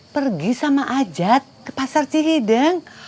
pergi sama ajat ke pasar cihideng